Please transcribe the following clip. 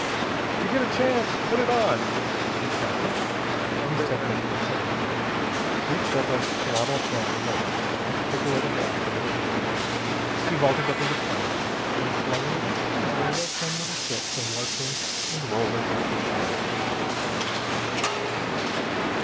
"If you get a chance, put it on!" he shouted. He stepped into a similar outfit, reached up and throttled down the motor, and kicked away the blocks under the wheels. He vaulted up into place. And slowly and clumsily the trim little ship came lurching and rolling out of the shed.